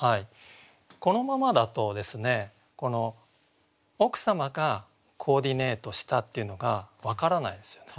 このままだとですね奥様がコーディネートしたっていうのが分からないですよね。